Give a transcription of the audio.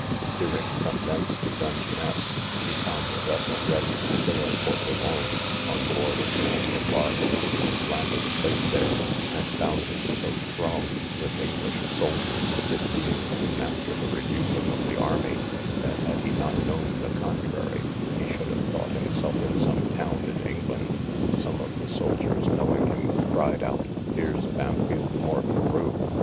Steering from thence to Dungeness, he found a vessel ready to sail for Boulogne, on board of which he embarked, and landed safe there; and found it so thronged with English soldiers, (it being soon after the reducing of the army,) that had he not known the contrary, he should have thought himself in some town in England. Some of the soldiers knowing him, cried out, Here's Bampfylde Moore Carew!